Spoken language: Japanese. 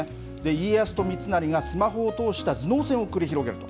家康と三成がスマホを通した頭脳戦を繰り広げると。